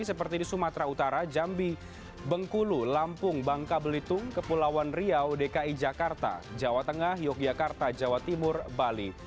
seperti di sumatera utara jambi bengkulu lampung bangka belitung kepulauan riau dki jakarta jawa tengah yogyakarta jawa timur bali